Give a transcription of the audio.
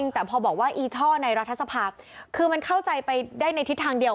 แต่พอบอกว่าอีช่อในรัฐสภาคือมันเข้าใจไปได้ในทิศทางเดียว